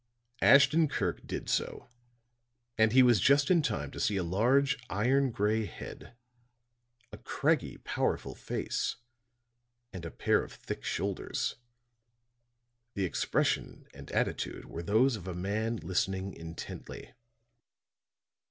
Ashton Kirk did so. And he was just in time to see a large, iron gray head, a craggy, powerful face, and a pair of thick shoulders; the expression and attitude were those of a man listening intently.